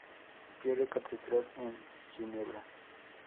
Pierre Catedral en Ginebra.